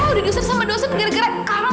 udah diusir sama dosa tuh gara gara kamu tau gak